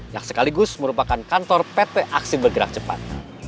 yang sekaligus merupakan kantor pt aksi bergerak cepat